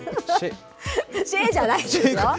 しぇーじゃないですよ。